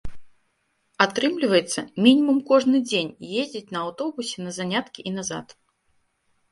Атрымліваецца, мінімум кожны дзень ездзіць на аўтобусе на заняткі і назад.